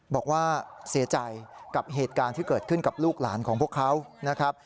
บอกว่าเสียใจกับเหตุการณ์ที่เกิดขึ้นกับลูกหลานของพวกเขานะครับ